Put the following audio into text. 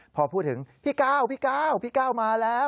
พอพูดถึงพี่ก้าวพี่ก้าวพี่ก้าวมาแล้ว